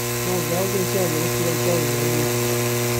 Nofel ddirgelwch i oedolion yw hon.